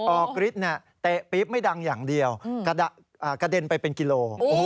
ออกฤทธิ์เตะปี๊บไม่ดังอย่างเดียวกระเด็นไปเป็นกิโล